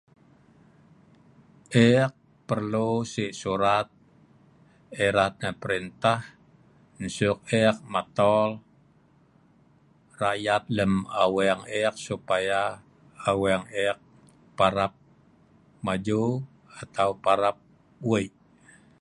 eek perlu si surat erat nan perintah ensuk eek matol rakyat lem aweng eek supaya aweng eek parap maju atau parap wei'